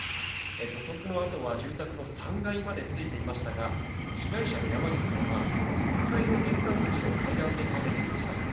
土足の跡は、住宅の３階までついていましたが被害者の山岸さんは１階の玄関口の階段で倒れていました。